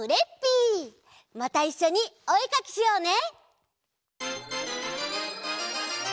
またいっしょにおえかきしようね！